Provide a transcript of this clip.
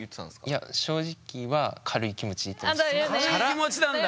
いや正直は軽い気持ちなんだ